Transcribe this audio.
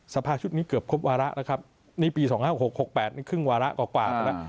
สภาชุดนี้เกือบครบวาระแล้วครับนี่ปีสองห้าหกหกแปดนี่ครึ่งวาระกว่ากว่าแล้ว